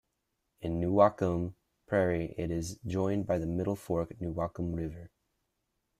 In Newaukum Prairie it is joined by the Middle Fork Newaukum River.